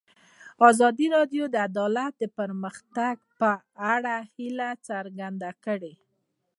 ازادي راډیو د عدالت د پرمختګ په اړه هیله څرګنده کړې.